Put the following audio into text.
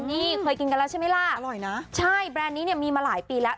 นี่เคยกินกันแล้วใช่ไหมล่ะอร่อยนะใช่แบรนด์นี้เนี่ยมีมาหลายปีแล้ว